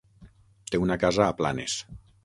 Té una casa a Planes.